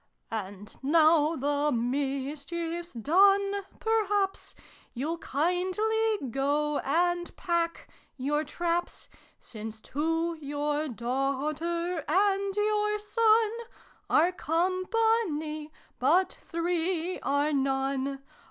209 "And, now the mischiefs done, perhaps You'll kindly go and pack your traps ? Since two (your daughter and your son} Are Company, but three are none.